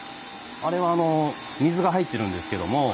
あれは、水が入っているんですけれども。